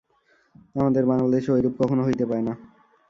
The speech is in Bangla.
আমাদের বাঙাল দেশে ঐরূপ কখনও হইতে পায় না।